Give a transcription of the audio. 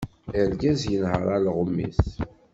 Argaz yenher alɣem-is.